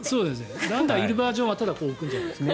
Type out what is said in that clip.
ランナーいるバージョンはただ、こう置くんじゃないですか？